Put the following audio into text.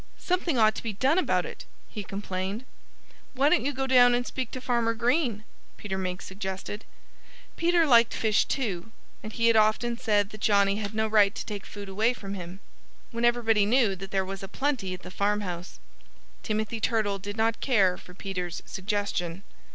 "Something ought to be done about it!" he complained. "Why don't you go down and speak to Farmer Green?" Peter Mink suggested. Peter liked fish, too. And he had often said that Johnnie had no right to take food away from him, when everybody knew that there was a plenty at the farmhouse. Timothy Turtle did not care for Peter's suggestion.